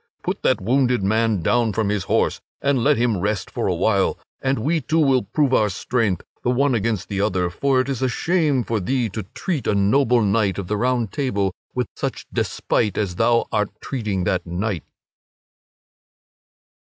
put that wounded man down from his horse, and let him rest for a while, and we two will prove our strength, the one against the other! For it is a shame for thee to treat a noble knight of the Round Table with such despite as thou art treating that knight."